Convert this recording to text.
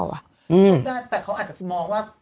มันไม่ได้แต่เค้าอาจจะสมองว่า